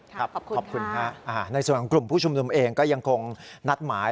ขอบคุณฮะในส่วนของกลุ่มผู้ชุมนุมเองก็ยังคงนัดหมาย